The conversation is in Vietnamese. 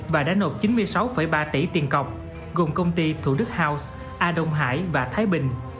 và đã nộp chín mươi sáu ba tỷ tiền cọc gồm công ty thủ đức house a đông hải và thái bình